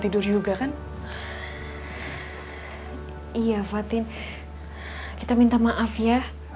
ayah kuncinya di bawah